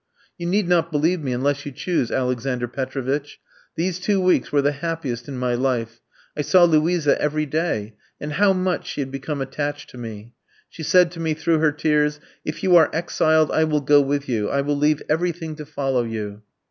"You need not believe me unless you choose, Alexander Petrovitch. "These two weeks were the happiest in my life. I saw Luisa every day. And how much she had become attached to me! "She said to me through her tears: 'If you are exiled, I will go with you. I will leave everything to follow you.'